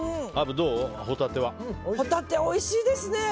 ホタテ、おいしいですね。